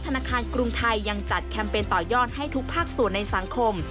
ธนาคารกรุงไทยยังจัดแคมเปญต่อยอดให้ทุกภาคส่วนในสังคม